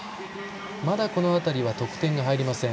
まだ、この辺りは得点が入りません。